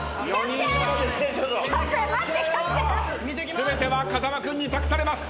全ては風間君に託されます。